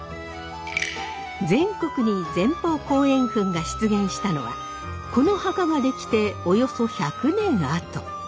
全国に前方後円墳が出現したのはこの墓が出来ておよそ１００年あと。